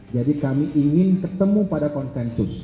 jadi kami ingin ketemu pada konsensus